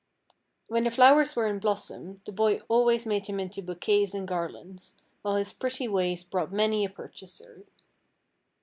When the flowers were in blossom, the boy always made them into bouquets and garlands, while his pretty ways brought many a purchaser.